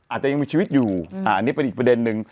อาจจะยังมีชีวิตอยู่อันนี้เป็นอีกประเด็นนึง